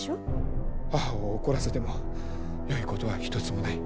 母を怒らせてもよいことは一つもない。